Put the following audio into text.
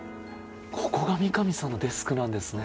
ここが三上さんのデスクなんですね。